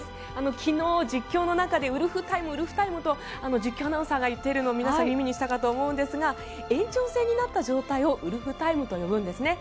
昨日、実況の中でウルフタイム、ウルフタイムと実況アナウンサーが言っているのを皆さん、耳にしたと思うんですが延長戦になった状態をウルフタイムと呼ぶんですね。